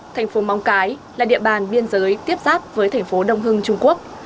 thành phố móng cái là địa bàn biên giới tiếp giáp với thành phố đông hưng trung quốc